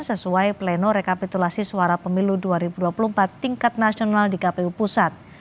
sesuai pleno rekapitulasi suara pemilu dua ribu dua puluh empat tingkat nasional di kpu pusat